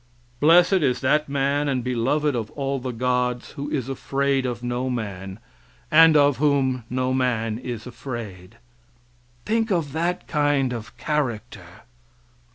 "Blessed is that man, and beloved of all the gods who is afraid of no man, and of whom no man is afraid." Think of that kind of character!